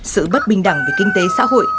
sự bất bình đẳng về kinh tế xã hội